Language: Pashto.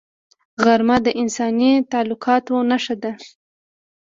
غرمه د انساني تعلقاتو نښانه ده